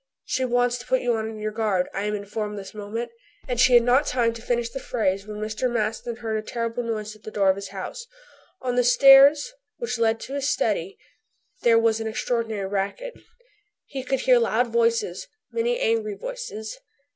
"She wants to put you on your guard, I am informed this moment" and she had not time to finish the phrase when Mr. Maston heard a terrible noise at the door of his house. On the stairs which led to his study there was an extraordinary racket. He could hear loud voices, many angry voices.